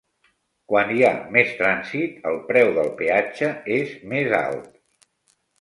Quan hi ha més trànsit, el preu del peatge és més alt.